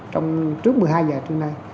trong trước một mươi hai giờ trên nay